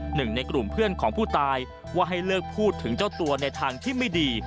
หนึ่งในกลุ่มเพื่อนของผู้ตายว่าให้เลิกพูดถึงเจ้าตัวในทางที่ไม่ดี